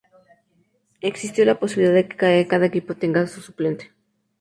Existió la posibilidad de que cada equipo tenga un suplente.